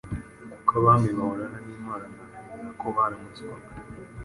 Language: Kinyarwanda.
kuko Abami bahorana n'Imana. Ni nako baramutswaga,